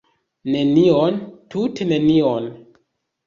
Nenion, tute nenion!